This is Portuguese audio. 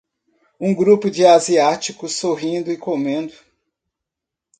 Um grupo de asiáticos sorrindo e comendo